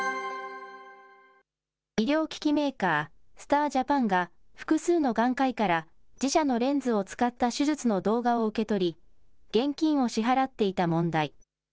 医療機器メーカー、スター・ジャパンが、複数の眼科医から自社のレンズを使った手術の動画を受け取り、現金を支払っていた問題。